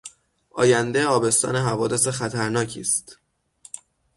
آینده آبستن حوادث خطرناکی است.